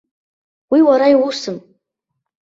Уи уара иуусым.